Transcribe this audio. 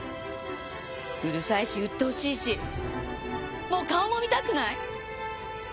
うるさいしうっとうしいしもう顔も見たくない！